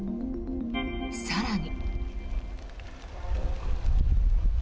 更に。